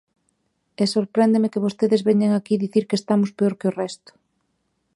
E sorpréndeme que vostedes veñan aquí dicir que estamos peor que o resto.